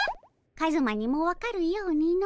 カズマにも分かるようにの。